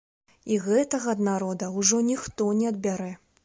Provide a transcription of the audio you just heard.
І гэтага ад народа ўжо ніхто не адбярэ.